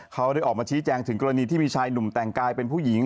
เขาได้ออกมาชี้แจงถึงกรณีที่มีชายหนุ่มแต่งกายเป็นผู้หญิง